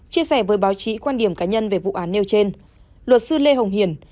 chia sẻ với báo chí quan điểm cá nhân về vụ án nêu trên